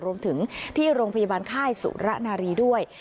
รวมถึงที่โรงพยาบาลค่ายสุระนารีด้วย